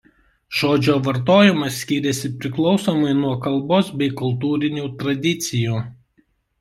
Žodžio vartojimas skiriasi priklausomai nuo kalbos bei kultūrinių tradicijų.